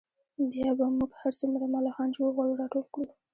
بیا به موږ هر څومره ملخان چې وغواړو راټول کړو